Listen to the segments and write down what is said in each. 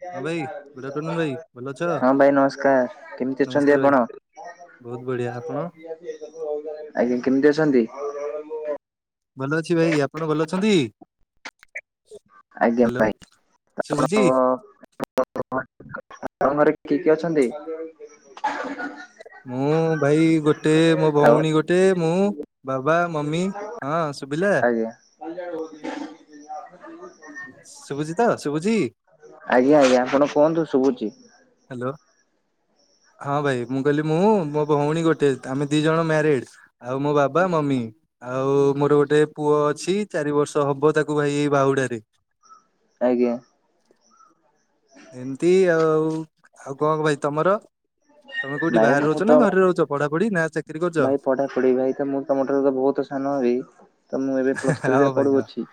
ହଁ ଭାଇ good afternoon ଭାଇ ଭଲ ଅଛ ହଁ ଭାଇ ନମସ୍କାର। କେମିତି ଅଛନ୍ତି ନମସ୍କାର ଭାଇ ଆପଣ? ବହୁତ ବଢିଆ। ଆପଣ? ଆଜ୍ଞା। କେମିତି ଅଛନ୍ତି? ଭଲ ଅଛି ଭାଇ। ଆପଣ ଭଲ ଅଛନ୍ତି? ଆଜ୍ଞା ହ୍ୟାଲୋ ଭାଇ। ଶୁଭୁଛି ଆପଣ [unintelligible] ଆପଣଙ୍କ ଘରେ କିଏ କିଏ ଅଛନ୍ତି? ମୁଁ ଭାଇ ଗୋଟେ ମୋ ହଉ ଭଉଣୀ ଗୋଟେ, ମୁଁ ବାବା ମମି। ହଁ ଶୁଭିଲା। [unintelligible] [unintelligible] ଶୁଭୁଚି ତ ଶୁଭୁଚି? ଆଜ୍ଞା ଆଜ୍ଞା ଆପଣ କୁହନ୍ତୁ ଶୁଭୁଚି। ହ୍ୟାଲୋ। ହଁ ଭାଇ ମୁଁ କହିଲି ମୁଁ ମୋ ଭଉଣୀ ଗୋଟେ ଆମେ ଦି ଜଣ ମ୍ୟାରେଡ୍। ଆଉ ମୋ ବାବା ମମି। ଆଉ ମୋର ଗୋଟେ ପୁଅ ଅଛି। ଚାରି ବର୍ଷ ହବ ତାକୁ ଭାଇ ଏଇ ବାହୁଡାରେ। ଆଜ୍ଞା। ଏମିତି ଆଉ। ଆଉ କଣ ଭାଇ ତମର? ତମେ କୋଉଠି ଭାଇ ବାହାରେ ମୁଁ ରହୁଛ ତ ନା ଘରେ ରହୁଚ? ପଢାପଢି ନା ଚା ଭାଇ ପଢା ପଢି ଭାଇ ତ ମୁଁ ତମ ଠାରୁ ତ ବହୁତ ସାନ ହେବି। ତ ମୁଁ ଏବେ ପ୍ଲସ ଥ୍ରୀ ରେ ହଁ ଭାଇ ହଁ ପଢୁଅଛି।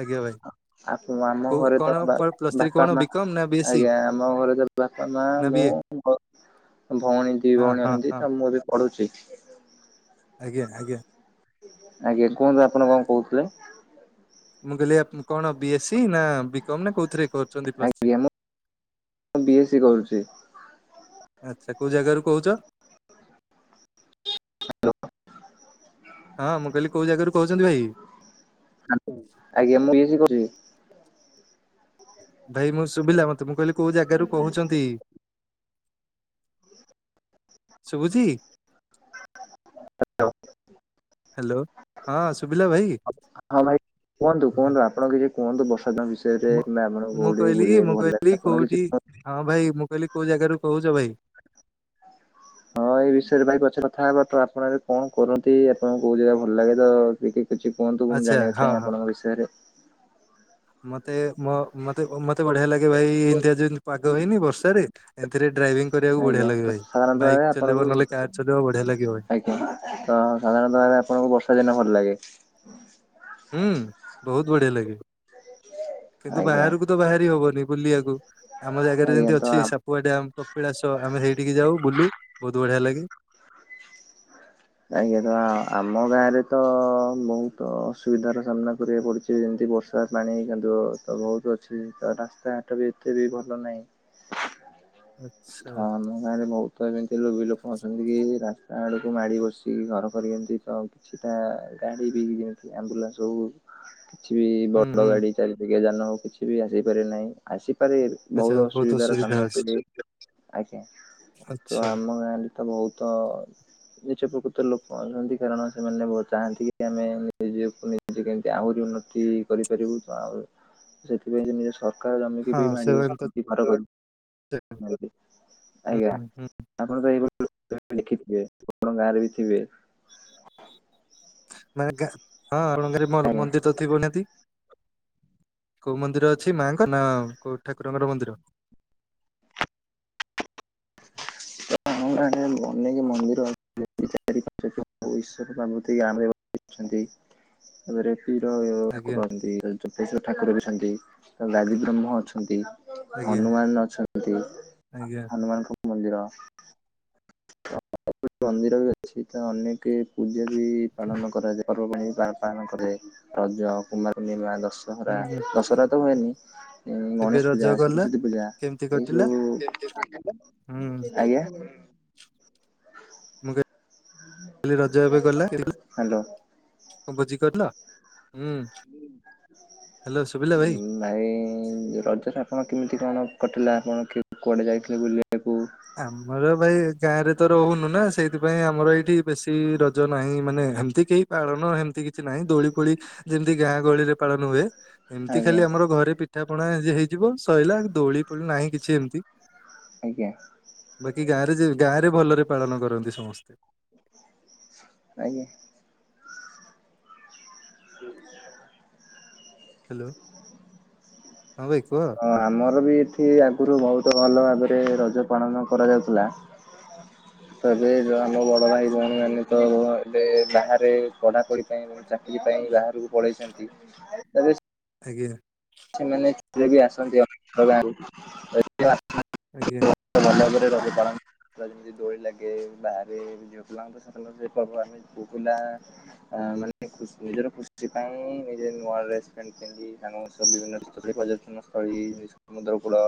ଆଜ୍ଞା ଭାଇ ଆ ଆପ ଆମ କୋଉ ଘରେ କଣ ତ ବା ପ୍ଲସ୍ ଥ୍ରୀ ବାପା କଣ ମା ବିକମ୍ ନା ବି ଏସ୍ ସି ଆଜ୍ଞା ଆମ ଘରେ ତ ବାପା, ମା, ନା ବି ମୁଁ ଏ ଗ ଭଉଣୀ ଦି ହଁ ଭଉଣୀ ହଁ ଅଛନ୍ତି। ହଁ ତ ମୁଁ ଏବେ ପଢୁଛି। ଆଜ୍ଞା ଆଜ୍ଞା। ଆଜ୍ଞା। କୁହନ୍ତୁ ଆପଣ କଣ କହୁଥିଲେ? ମୁଁ କହିଲି କଣ ବିଏସି ନା ବିକମ୍ ନା କୋଉଥିରେ କ ଆଜ୍ଞା ମୁଁ ମୁଁ ବିଏସି କରୁଚି। ଆଚ୍ଛା। କୋଉ ଜାଗାରୁୁ କହୁଚ? [unintelligible] ହଁ, ମୁଁ କହିଲି କୋଉ ଜାଗାରୁ କହୁଛନ୍ତି ଭାଇ? ଆଜ୍ଞା ମୁଁ ବିଏସି କରୁଚି। ଭାଇ ମୁଁ ଶୁଭିଲା ମତେ। ମୁଁ କହିଲି କୋଉ ଜାଗାରୁ କହୁଛନ୍ତି? ଶୁଭୁଚି? ହ୍ୟାଲୋ। ହଁ ଶୁଭିଲା ଭାଇ? ହଁ ଭାଇ କୁହନ୍ତୁ ଆଜ୍ଞା କୁହନ୍ତୁ ଭାଇ। ଆପଣ କିଛି କୁହନ୍ତୁ ବର୍ଷା ଦିନ ବିଷୟରେ କି ମୁଁ ଆପଣଙ୍କୁ ମୁଁ କୋଉଠି କହିଲି ମୁଁ ବୁଲିବାକୁ ଭଲ କହିଲି ଲାଗେ? ଆପଣ କୋଉଠି କିଛି କୁହ ହଁ ଭାଇ ମୁଁ କହିଲି କୋଉ ଜାଗାରୁ କହୁଚ ଭାଇ? ହଁ ଭାଇ ଏ ବିଷୟରେ ଭାଇ ପରେ କଥା ହବା। ଆପଣ ଏବେ କଣ କରନ୍ତି? ଆପଣଙ୍କୁ କୋଉ ଜାଗା ଭଲ ଲାଗେ ତ କିଛି କୁହନ୍ତୁ ମୁଁ ଆଚ୍ଛା ଜାଣିବାକୁ ହଁ ଚାହେଁ ହଁ। ଆପଣଙ୍କ ବିଷୟରେ। ମତେ ମ ମତେ ମତେ ବଢିଆ ଲାଗେ ଭାଇ ଏମତିଆ ଯଉ ପାଗ ହେଇନି ବର୍ଷାରେ ଏମିତିରେ ଡ୍ରାଇଭିଂ କରିବାକୁ ବଢିଆ ଆଜ୍ଞା ତ ଲାଗେ ଭାଇ। ସାଧାରଣତଃ ବାଇକ୍ ଭାବେ ଆପଣଙ୍କୁ ଚଲେଇବ ନହେଲେ କାର ଚଲେଇବ ବଢିଆ ଲାଗିବ ଭାଇ। ତ ସାଧାରଣତଃ ଆପଣଙ୍କୁ ବର୍ଷା ଦିନ ଭଲ ଲାଗେ। ହୁଁ ବୋହୁତ୍ ବଢିଆ ଲାଗେ। କିନ୍ତୁ ଆଜ୍ଞା ବାହାରକୁ ତ ବାହାରି ହବନି ବୁଲିବାକୁ, ଆମ ଜାଗାରେ ଆଜ୍ଞା ଯେମିତି ଅଛି ତ ସା କୁଆ ଡ୍ୟାମ୍, କପିଳାସ ଆମେ ସେଇଠିକି ଯାଉ ବୁଲୁ ବହୁତ ବଢିଆ ଲାଗେ। କାଇଁ କି ତ ଆମ ଗାଁରେ ତ ବହୁତ ଅସୁବିଧାର ସାମ୍ନା କରିବାକୁ ପଡୁଛି। ସେ ଯେମତି ବର୍ଷା ପାଣି କାଦୁଅ ତ ବୋହୁତ୍ ଅଛି। ତ ରାସ୍ତାଘାଟ ବି ଏତେ ବି ଭଲ ନାହିଁ। ଆଚ୍ଛା ଥମ ଗାଁ ରେ ବହୁତ ଏମିତି ଲୋଭି ଲୋକ ଅଛନ୍ତି କି ରାସ୍ତା ଆଡକୁ ମାଡି ବସ ଘର କର ଏମତି ତ କିଛିଟା ଗାଡି ବି ଯେମିତି ଆମ୍ବୁଲାନ୍ସ ହଉ କିଛି ବି ହୁଁ ବଡ ହୁଁ ଗାଡି ଚାରି ଚକିଆ ଯାନ ହଉ, କିଛି ବି ଆସିପାରେ ନାହିଁ ଆସିପାରେ ଆଚ୍ଛା ବହୁତ ଅସୁବିଧାର ଅସୁବିଧା ସାମ୍ନା ଅଛି କର- ଆଜ୍ଞା ତ ଆଚ୍ଛା ଆମ ଗାଁରେ ବହୁତ ନିଜ ପ୍ରକୃ ତ ଲୋକ ଅଛନ୍ତି କାରଣ ସେମାନେ ଚାହାନ୍ତି କି ଆମେ ନିଜକୁ ନିଜ କେମିତି ଆହୁରି ଉନ୍ନତି କରିପାରିବୁ ସେଥିପାଇଁ ସ କାରଜମିକି ହଁ ବି ସେଭେନ୍ ତ ମାଡିିବଶନ୍ତି ଘର କରି। ଆଜ୍ଞା। ହୁଁ ହୁଁ ଆପଣ ତ ଏଇଭଳି ଦେଖିଥିବେ ଆପଣଙ୍କ ଗାଁରେ ବି ଥିବେ ମାନେ ଗାଁ ହଁ ଆମ ଗାଁ ଆଜ୍ଞା ମନ୍ଦିର ତ ଥିବ ନାତି କୋଉ ମନ୍ଦିର ଅଛି ମାଙ୍କ ନା କୋଉ ଠାକୁରଙ୍କର ମନ୍ଦିର? ଅନେକ ମନ୍ଦିର ଅଛି ୃତିଛନ୍ତି ତାପରେ [unintelligible] କ୍ଷୀର, [unintelligible] ଆଜ୍ଞା। ଠାକୁର ଅନ୍ତି ଯତେଶଵର ଠାକୁର ବି ଅଛନ୍ତି ଗାଲି ବ୍ରହ୍ମ ଅଛନ୍ତି ଆଜ୍ଞା ହନୁମାନ ଅଛନ୍ତି। ଆଜ୍ଞା ହନୁମାନଙ୍କ ମନ୍ଦିର। ସ ମନ୍ଦିର ବି ଅଛି ତ ଅନେକ ପୂଜା ବି ପାଳନ କରାଯାଏ। ପର୍ବ ପାଣି ବି ପାଳନ କରାଯାଏ। ରଜ କୁମାର ପୂର୍ଣ୍ଣିମା ଦଶହରା ହୁଁ ହୁଁ ଦଶହରା ତ ହୁଏନି। ଏ ଏବେ ଗଣେଶ ରଜ ପୂଜା ଗଲା ସରସ୍ଵତୀ ପୂଜା କେମିତି ଏଇ କଟିଲା? ସବୁ, ହୁଁ ଆଜ୍ଞା। ମୁଁ ଖାଲି ରଜ ଏବେ ଗଲା। ହ୍ୟାଲୋ। ହେ ଭୋଜି କରିଲ ହୁଁ। ହ୍ୟାଲୋ ଶୁଭିଲା ଭାଇ? ହୁଁ। ଭାଇ ରଜରେ ଆପଣ କେମିତି କଣ କଟିଲା? ଆପଣ କି କୁଆଡ଼େ ଯାଇଥିଲେ ବୁଲିବାକୁ? ଆମର ଭାଇ ଗାଁ ରେ ତ ରହୁନୁ ନା ସେଇଥିପାଇଁ ଆମର ଏଇଠି ବେଶୀ ରଜ ନାହିଁ ମାନେ ଏମତି କେହି ପାଳନ ହେମିତି କିଛି ନାହିଁ। ଦୋଳି ପୋଳି ଯେମିତି ଗାଁ ଗହଳିରେ ପାଳନ ହୁଏ। ଏମିତି ଆଜ୍ଞା ଖାଲି ଆମର ଘରେ ପିଠା ପଣା ହେଇଯିବ, ସଇଲା ଦୋଳି ପୋଳି ନାହିଁ କିଛି ଏମିତି ଆଜ୍ଞା। ବାକି ଗାଁରେ ଯେ ଗାଁ ରେ ଭଲରେ ପାଳନ କରନ୍ତି ସମସ୍ତେ। ଆଜ୍ଞ। ହୁଁ ହାଲୋ ହଁ ବାଇ କୁହ? ହଁ ଆମର ବି ଏଠି ଆଗରୁ ବହୁତ ଭଲ ଭାବରେ ରଜ ପାଳନ କରାଯାଉଥିଲା। ତ ଏବେ ଆମ ବଡ଼ ଭାଇ ଭଉଣୀମାନେ ତ ଏବେ ବାହାରେ ପଢ଼ାପଢ଼ି ପାଇଁ ଚାକିରି ପାଇଁ ବାହାରକୁ ପଳେଇଛନ୍ତି। ଏବେ ସେ ଆଜ୍ଞା। ସେମାନେ ଛୁଟିରେ ବି ଆସନ୍ତି ଅନ୍ୟ ଗାଁରୁ ଆଜ୍ଞା [unintelligible] ଲାଗେ ବାହାରେ ଝିଅ ପିଲାମାନେ ତ ସାଧାରଣ ସେ ପର୍ବ ଆମେ, ପୁଅ ପିଲା ମାନେ ଖୁସି ନିଜର ଖୁସି ପାଇଁ ନିଜେ ନୂଆ ଡ୍ରେସ୍ ପ୍ୟାଣ୍ଟ ପିନ୍ଧି ସାଙ୍ଗ ସବୁ ବିଭିନ୍ନ ପର୍ଯ୍ୟଟନ ସ୍ଥଳୀ, ସମୁଦ୍ରକୂଳ,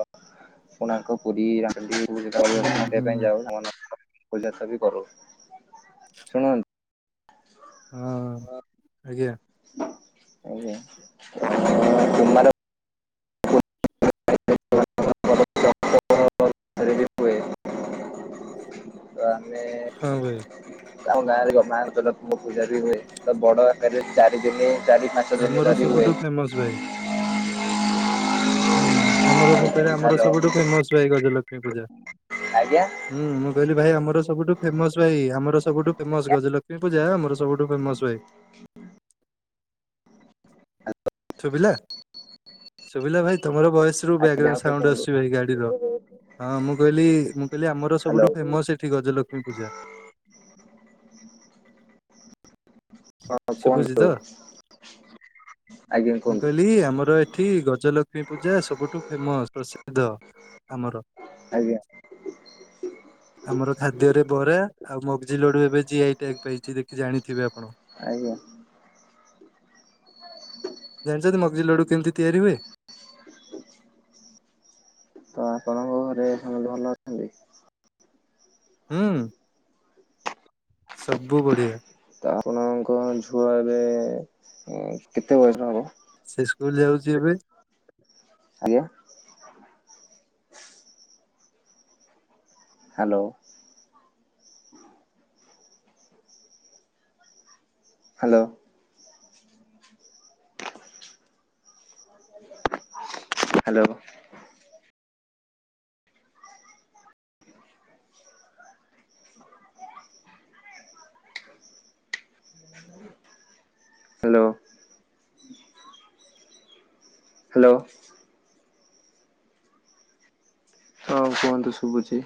କୋଣାର୍କ, ପୁରୀ ରାମ ପାଇଁ ହୁଁ ହୁଁ ଯାଉ [inaudible] ବି କରୁ ଶୁଣନ୍ତୁ ହଁ ଆଜ୍ଞା। ଆଜ୍ଞା। କୁମାର ରେଡ଼ି ହୁଏ [unintelligible] ଆମେ ହଁ ଭାଇ। ଆମ ଗାଁ ରେ ବାରତ ଲଖ୍ମ ପୂଜା ବି ହୁଏ ତ ବଡ ଆକାରରେ ଚାରି ଦିନି ଚାରି ପାଞ୍ଚ ଦିନ ଆମର ଧରି ହୁଏ। ସବୁଠୁ ଫେମସ ଭାଇ ହୁଁ ଆମର ମୁଁ କହିଲି ଆମର ହ୍ୟାଲୋ ସବୁଠୁ ଫେମସ ଭାଇ ଗଜଲକ୍ଷ୍ମୀ ପୂଜା। ଆଜ୍ଞା। ହୁଁ ମୁଁ କହିଲି ଭାଇ ଆମର ସବୁଠୁ ଫେମସ ଭାଇ ଆମର ସବୁଠୁ ଫେମସ ଗଜଲକ୍ଷ୍ମୀ ପୂଜା ଆମର ସବୁଠୁ ଫେମସ ଭାଇ। [inaudible] ଭିଲା ଶୁଭିଲା ଭାଇ ତମର ଭୟସ ରୁ ଆଜ୍ଞା ବ୍ୟାଗ୍ରାଉଣ୍ଡ ଆଉଥରେ ସାଉଣ୍ଡ କୁହନ୍ତୁ ଆସୁଛି ଭାଇ ଗାଡିର। ହଁ ମୁଁ କହିଲି ମୁଁ କହିଲି ଆମର ହ୍ୟାଲୋ ସବୁଠୁ ଫେମସ ଏଠି ଗଜଲକ୍ଷ୍ମୀ ପୂଜା। ହଁ ଶୁଭୁଛି ତ? କୁହନ୍ତୁ। ଆଜ୍ଞା ମୁଁ କୁହନ୍ତୁ। କହିଲି ଆମର ଏଠି ଗ ଜଲକ୍ଷ୍ମୀ ପୂଜା ସବୁଠୁ ଫେମସ ପ୍ରସିଦ୍ଧ ଆମର। ଆଜ୍ଞା ଆମର ଖାଦ୍ୟରେ ବରା, ଆଉ ମଗଜି ଲଡୁ ଏବେ ଜିଆଇ ଟ୍ୟାଗ ପାଇଛି ଦେଖି ଜାଣିଥିବେ ଆପଣ। ଆଜ୍ଞା। [inaudible] ଜାଣିଛନ୍ତି ମଗଜି ଲଡୁ କେମିତି ତିଆରି ହୁଏ? ତ ଆପଣଙ୍କ ଘରେ ଭଲ ଅଛନ୍ତି। ହୁଁ। ସବୁ ବଢିଆ। ତ ଆପଣଙ୍କ ଝୁଅ ଏବେ କେତେ ବୟସ ହବ? ସେ ସ୍କୁଲ ଯାଉଛି ଏବେ। ଆଜ୍ଞା। Hello. Hello. Hello. Hello hello. ହଁ କୁହନ୍ତୁ ଶୁଭୁଛି।